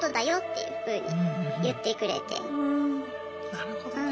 なるほどね。